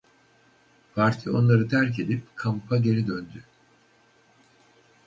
Parti onları terk edip kampa geri döndü.